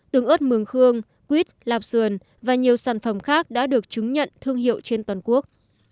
tương ớt mường khương quýt lạp sườn và nhiều sản phẩm khác đã được chứng nhận thương hiệu trên toàn quốc